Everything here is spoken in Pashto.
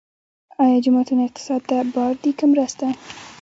آیا جوماتونه اقتصاد ته بار دي که مرسته؟